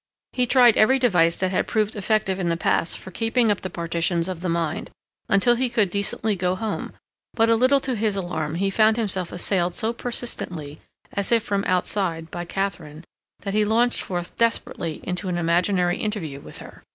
He tried every device that had proved effective in the past for keeping up the partitions of the mind, until he could decently go home; but a little to his alarm he found himself assailed so persistently, as if from outside, by Katharine, that he launched forth desperately into an imaginary interview with her.